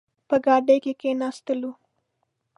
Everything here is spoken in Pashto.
په ګاډۍ کې کښېناستلو.